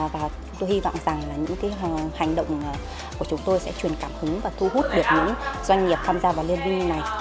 và tôi hy vọng rằng là những hành động của chúng tôi sẽ truyền cảm hứng và thu hút được những doanh nghiệp tham gia vào liên minh này